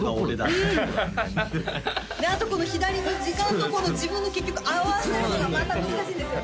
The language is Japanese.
みたいにであとこの左に時間と自分を結局合わせるのがまた難しいんですよね